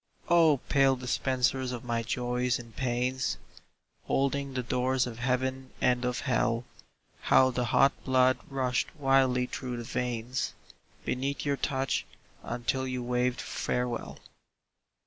Oh, pale dispensers of my Joys and Pains, Holding the doors of Heaven and of Hell, How the hot blood rushed wildly through the veins Beneath your touch, until you waved farewell.